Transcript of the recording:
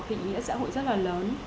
thì nghĩa xã hội rất là lớn